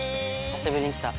久しぶりに着た。